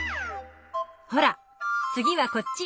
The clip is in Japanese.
ほら次はこっち！